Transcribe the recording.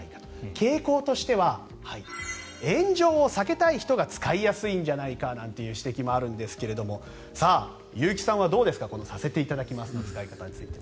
傾向としては炎上を避けたい人が使いやすいんじゃないかという指摘もあるんですがさあ、結城さんはどうですか「させていただきます」の使い方について。